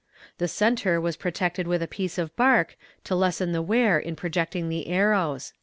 The centre was protected with a piece of bark, to lessen the wear in projecting the arrows."